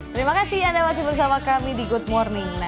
terima kasih anda masih bersama kami di good morning